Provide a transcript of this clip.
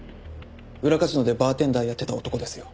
裏カジノでバーテンダーやってた男ですよ。